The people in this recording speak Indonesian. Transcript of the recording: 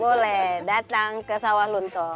boleh datang ke sawal luntum